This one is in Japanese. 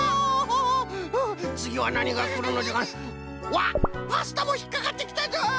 わっパスタもひっかかってきたぞ！